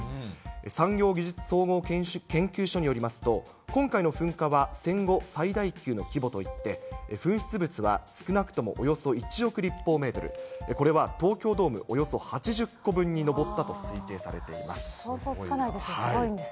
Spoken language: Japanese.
産業技術総合研究所によりますと、今回の噴火は、戦後最大級の規模といって、噴出物は少なくともおよそ１億立方メートル、これは東京ドームおよそ８０個分に上ったと推定されています。